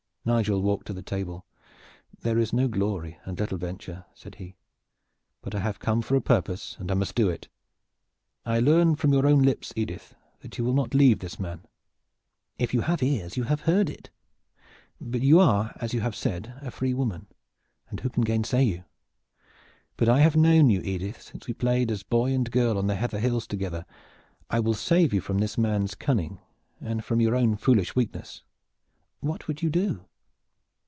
Nigel walked to the table. "There is no glory and little venture," said he; "but I have come for a purpose and I must do it. I learn from your own lips, Edith, that you will not leave this man." "If you have ears you have heard it." "You are, as you have said, a free woman, and who can gainsay you? But I have known you, Edith, since we played as boy and girl on the heather hills together. I will save you from this man's cunning and from your own foolish weakness." "What would you do?"